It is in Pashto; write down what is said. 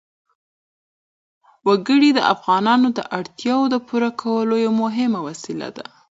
وګړي د افغانانو د اړتیاوو د پوره کولو یوه مهمه وسیله ده.